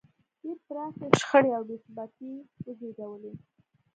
دې پراخې شخړې او بې ثباتۍ وزېږولې.